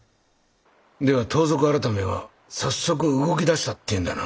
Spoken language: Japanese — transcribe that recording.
では盗賊改は早速動き出したっていうんだな？